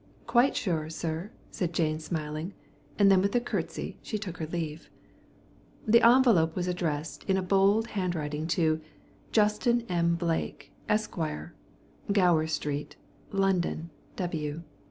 "Quite sure, sir," said Jane, smiling, and then with a curtsey she took her leave. The envelope was addressed in a bold hand writing to _Justin M. Blake, Esq., Gower Street, London, W.